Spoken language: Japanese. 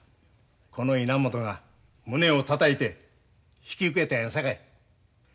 この稲本が胸をたたいて引き受けたんやさかい。